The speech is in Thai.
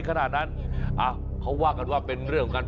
เขาว่ากันว่าเป็นเรื่องกัน